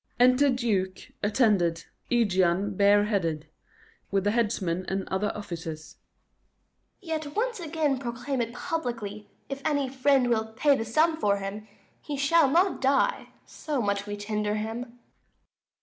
Enter DUKE, attended; ÆGEON bareheaded; with the Headsman and other Officers. Duke. Yet once again proclaim it publicly, 130 If any friend will pay the sum for him, He shall not die; so much we tender him.